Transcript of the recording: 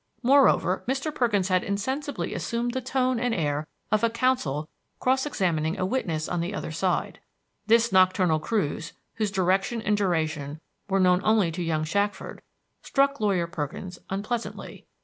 Moreover, Mr. Perkins had insensibly assumed the tone and air of a counsel cross examining a witness on the other side. This nocturnal cruise, whose direction and duration were known only to young Shackford, struck Lawyer Perkins unpleasantly.